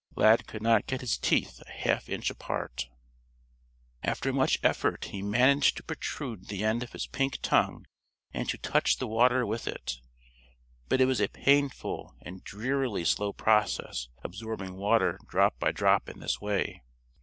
Lad could not get his teeth a half inch apart. After much effort he managed to protrude the end of his pink tongue and to touch the water with it, but it was a painful and drearily slow process absorbing water drop by drop in this way.